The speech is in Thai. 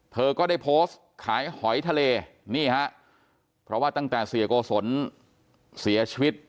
เธอก็ได้โพสต์ขายหอยทะเลนี่ฮะเพราะว่าตั้งแต่เสียโกศลเสียชีวิต